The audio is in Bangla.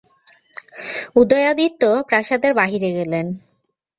উদয়াদিত্য প্রাসাদের বাহিরে গেলেন।